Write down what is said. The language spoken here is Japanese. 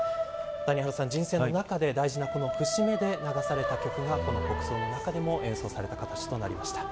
谷原さん、人生の中で大事な節目で流された曲がこの国葬の中でも演奏された形となりました。